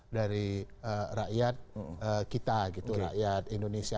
dari rakyat kita gitu rakyat indonesia